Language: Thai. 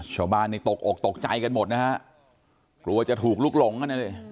ชาวบ้านนี่ตกอกตกใจกันหมดนะฮะกลัวจะถูกลุกหลงกันนะดิ